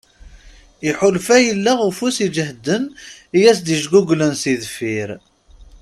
Iḥulfa yella ufus iǧehden i yas-d-ijguglen si deffir.